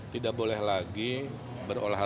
tidak boleh lagi berolahraga